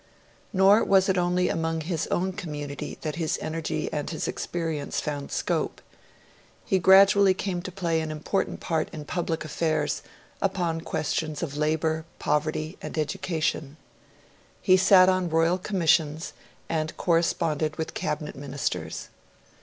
Nor was it only among his own community that his energy and his experience found scope. He gradually came to play an important part in public affairs, upon questions of labour, poverty, and education. He sat on Royal Commissions and corresponded with Cabinet Ministers.